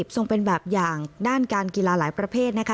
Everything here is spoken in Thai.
ทรงเป็นแบบอย่างด้านการกีฬาหลายประเภทนะคะ